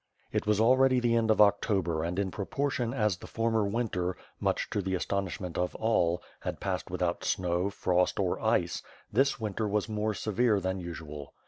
It was already the end of October and in proportion as the former winter, much to the astonishment of all, had passed without snow, frost, or ice, this winter was more severe than usual.